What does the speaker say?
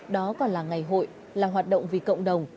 đó còn là ngày hội là hoạt động vì cộng đồng